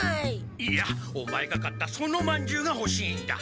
いやオマエが買ったそのまんじゅうがほしいんだ。